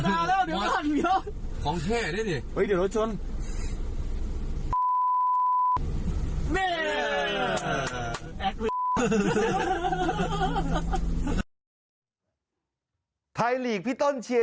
ครั้งภาษาอเมรพี่ต้นเชียร์